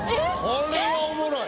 これはおもろい！